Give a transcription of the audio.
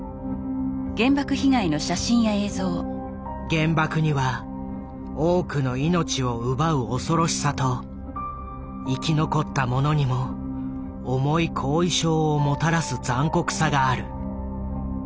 原爆には多くの命を奪う恐ろしさと生き残った者にも重い後遺症をもたらす残酷さがある。